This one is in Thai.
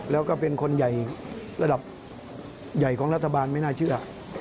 แล้วก็เป็นคนใหญ่ระดับใหญ่ของรัฐบาลไม่น่าเชื่อ